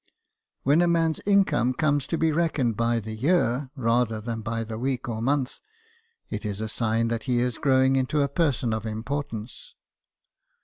When a man's income comes to be reckoned by the year, rather than by the week or month, it is a sign that he is growing into a person of importance.